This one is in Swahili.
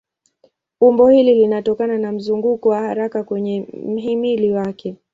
Umbo hili linatokana na mzunguko wa haraka kwenye mhimili wake.